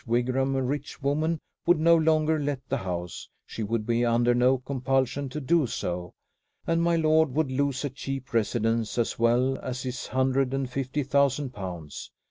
Wigram, a rich woman, would no longer let the house; she would be under no compulsion to do so; and my lord would lose a cheap residence as well as his hundred and fifty thousand pounds.